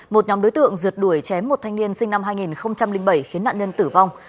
một nhóm đối tượng rượt đuổi chém một thanh niên sinh năm hai nghìn bảy khiến nạn nhân tử vong